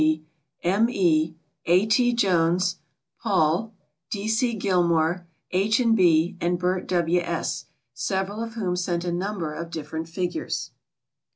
B. G., M. E., A. T. Jones, Paul, D. C. Gilmore, H. and B., and Bert W. S., several of whom sent a number of different figures.